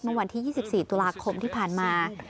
เมื่อวันที่๒๔ตุลาคมที่ผ่านมา